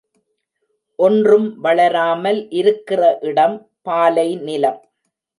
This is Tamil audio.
ஒன்றும் வளராமல் இருக்கிற இடம் பாலை நிலம்.